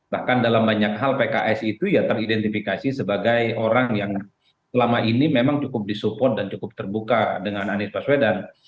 bahkan dalam banyak hal pks itu ya teridentifikasi sebagai orang yang selama ini memang cukup disupport dan cukup terbuka dengan anies baswedan